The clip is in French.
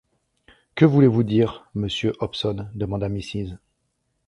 Que voulez-vous dire, monsieur Hobson ? demanda Mrs.